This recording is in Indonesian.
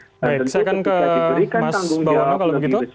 saya akan ke mas bawana kalau begitu